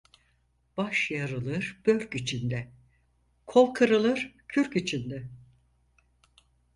Baş yarılır börk içinde, kol kırılır kürk içinde.